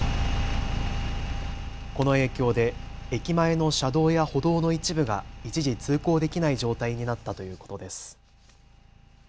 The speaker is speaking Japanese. この影響で駅前の車道や歩道の一部が一時、通行できない状態になったということです。